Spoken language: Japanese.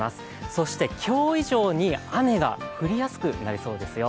そして今日以上に、雨が降りやすくなりそうですよ。